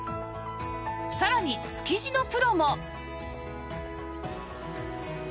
さらに築地のプロも